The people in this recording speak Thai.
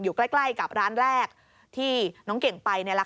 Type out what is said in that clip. อยู่ใกล้กับร้านแรกที่น้องเก่งไปนี่แหละค่ะ